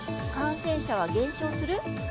感染者は減少する？